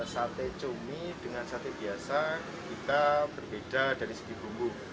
sate cumi dengan sate biasa kita berbeda dari segi bumbu